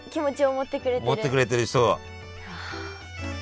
持ってくれてる人を。